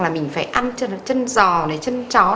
mình phải ăn chân giò chân chó